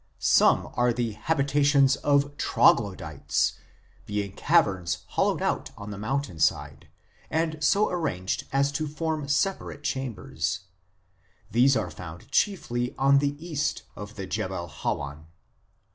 Some are the habitations of Troglodytes, being caverns hollowed out on the mountain side, and so arranged as to form separate chambers ; these are found chiefly on the E. of the Jebel Hawan.